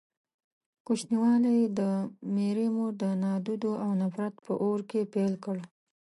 کوچنيوالی يې د ميرې مور د نادودو او نفرت په اور کې پيل کړ.